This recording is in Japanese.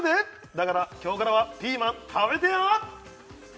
だから今日からはピーマン食べてや！